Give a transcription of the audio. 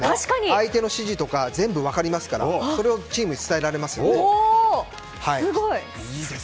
相手の指示とか全部分かりますからそれをチームに伝えられます。